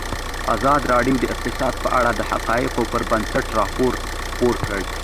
ازادي راډیو د اقتصاد په اړه د حقایقو پر بنسټ راپور خپور کړی.